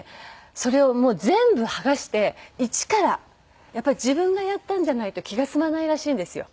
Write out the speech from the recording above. それをもう全部はがして一からやっぱり自分がやったんじゃないと気が済まないらしいんですよ。